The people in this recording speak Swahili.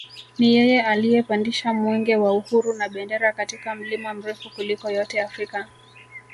Ni yeye aliyepandisha mwenge wa uhuru na bendera katika mlima mrefu kuliko yote Afrika